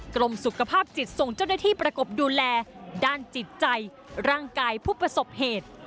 กรมสุขภาพจิตส่งเจ้าหน้าที่ประกบดูแลด้านจิตใจร่างกายผู้ประสบเหตุ